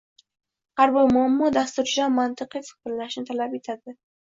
Har bir muammo dasturchidan mantiqiy fikrlashni talab etadi